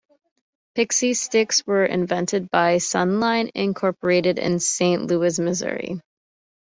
Pixy Stix were invented by Sunline Incorporated in Saint Louis, Missouri.